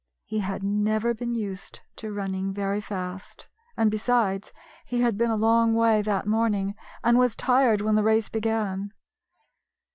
He had never been used to running very fast, and, besides, he had been a long way that morning and was tired when the race began.